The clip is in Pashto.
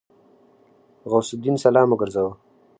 غوث الدين سلام وګرځاوه.